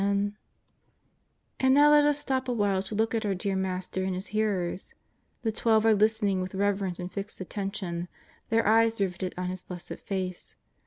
■MS I 1 V JESUS OF NAZAKETH. 207 And now let us stop awhile to look at our dear Mas* ter and His hearers. The Twelve are listening with reverent and fixed attention, their eves riveted on His blessed face.